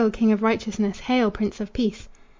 king of righteousness! Hail! prince of peace!"